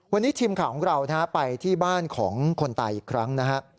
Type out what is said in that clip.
วันนี้ทีมข่าวของเราไปที่บ้านของคนตายอีกครั้งนะฮะ